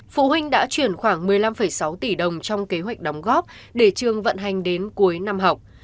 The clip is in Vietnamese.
phụ huynh đã chuyển khoảng một mươi năm sáu tỷ đồng trong kế hoạch đóng góp để trường vận hành đến cuối năm học